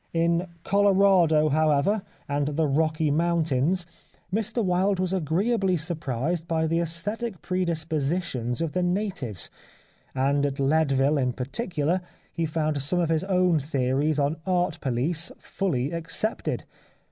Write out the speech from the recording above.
In Colorado, however, and the Rocky Mountains, Mr Wilde was agreeably surprised by the aesthetic predis positions of the natives, and at Leadville in particular, he found some of his own theories on art police fully accepted.